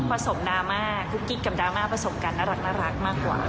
ผสมดราม่ากุ๊กกิ๊กกับดราม่าผสมกันน่ารักน่ารักมากกว่า